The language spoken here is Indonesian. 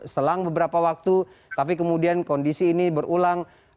selang beberapa waktu tapi kemudian kondisi ini berulang